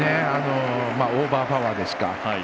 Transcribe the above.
オーバーパワーですか。